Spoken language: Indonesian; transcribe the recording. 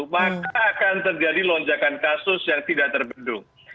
maka akan terjadi lonjakan kasus yang tidak terbendung